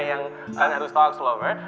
yang kalian harus tahu lover